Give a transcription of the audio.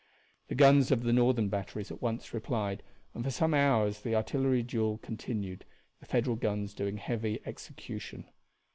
The guns of the Northern batteries at once replied, and for some hours the artillery duel continued, the Federal guns doing heavy execution.